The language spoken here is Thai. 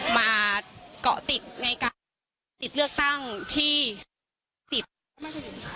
มาเกาะติดในการติดเลือกตั้งที่สิทธิ์